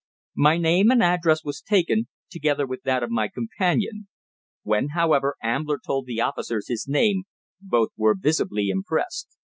My name and address was taken, together with that of my companion. When, however, Ambler told the officers his name, both were visibly impressed.